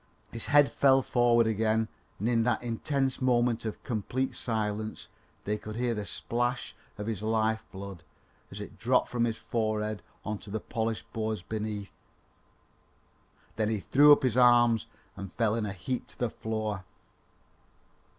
His head fell forward again and in that intense moment of complete silence they could hear the splash of his life blood as it dropped from his forehead on to the polished boards beneath; then he threw up his arms and fell in a heap to the floor.